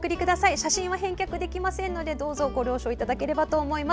写真は返却できませんのでどうぞご了承いただければと思います。